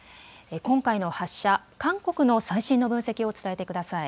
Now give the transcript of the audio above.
今回の発射、韓国の最新の分析を伝えてください。